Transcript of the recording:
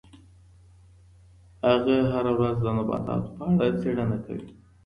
هغه هره ورځ د نباتاتو په اړه څېړنه کوي.